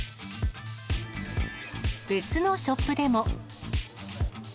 別のショップでも。